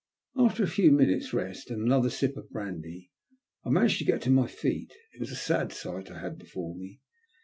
After a few minutes' rest and another sip of brandy, I managed to get on to my feet. It was a sad sight I had before me.